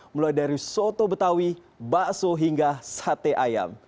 mulai dari soto betawi bakso hingga sate ayam